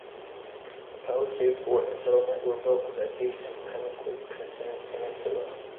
A palisade fort and settlement were built on the adjacent Pemaquid Peninsula.